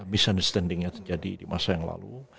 misunderstanding nya terjadi di masa yang lalu